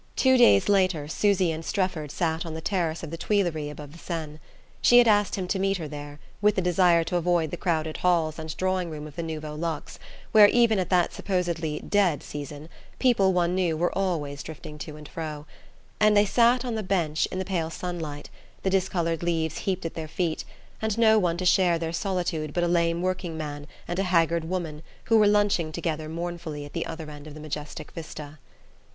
Two days later Susy and Strefford sat on the terrace of the Tuileries above the Seine. She had asked him to meet her there, with the desire to avoid the crowded halls and drawing room of the Nouveau Luxe where, even at that supposedly "dead" season, people one knew were always drifting to and fro; and they sat on a bench in the pale sunlight, the discoloured leaves heaped at their feet, and no one to share their solitude but a lame working man and a haggard woman who were lunching together mournfully at the other end of the majestic vista.